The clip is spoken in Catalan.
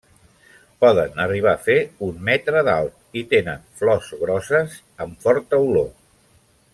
Poden arribar a fer un metre d'alt i tenen flors grosses amb forta olor.